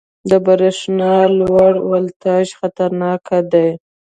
• د برېښنا لوړ ولټاژ خطرناک دی.